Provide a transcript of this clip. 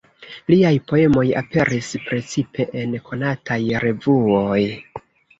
Liaj poemoj aperis precipe en konataj revuoj.